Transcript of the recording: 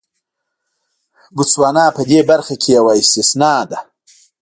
بوتسوانا په دې برخه کې یوه استثنا ده.